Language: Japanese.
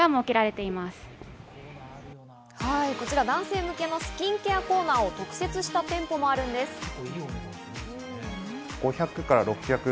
男性向けのスキンケアコーナーを特設した店舗もあるんです。